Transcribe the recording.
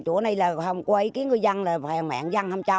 chỗ này là không có ý kiến của dân là phèn mẹ dân không cho